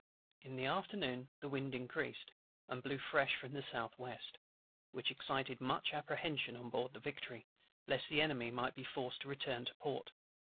In the afternoon the wind increased, and blew fresh from the south west; which excited much apprehension on board the Victory, lest the Enemy might be forced to return to port.